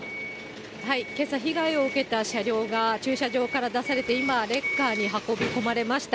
けさ、被害を受けた車両が駐車場から出されて今、レッカーに運び込まれました。